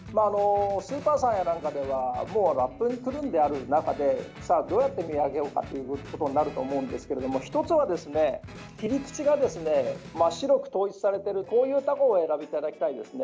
スーパーさんやなんかではラップにくるんである中でどうやって見分けようかということになると思うんですが１つは、切り口が真っ白く統一されているこういうタコをお選びいただきたいですね。